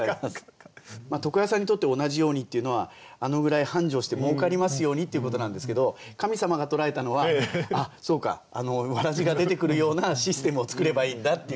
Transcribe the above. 床屋さんにとって「同じように」っていうのはあのぐらい繁盛してもうかりますようにっていうことなんですけど神様が捉えたのはそうかわらじが出てくるようなシステムを作ればいいんだっていうね